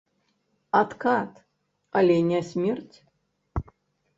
Адкат, але не смерць.